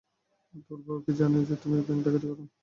তোমার বউ কি জানে যে তুমি ব্যাংক ডাকাতি করো?